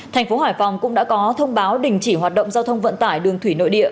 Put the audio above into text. thành phố hải phòng cũng đã có thông báo đình chỉ hoạt động giao thông vận tải đường thủy nội địa